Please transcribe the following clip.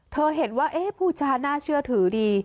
เธอเห็นว่าเอ๊ะผู้ชาน่าเชื่อถือดี